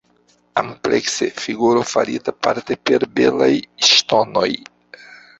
Amplekse, figuro farita parte per belaj ŝtonoj".